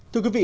thưa quý vị